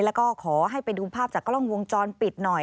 แล้วก็ขอให้ไปดูภาพจากกล้องวงจรปิดหน่อย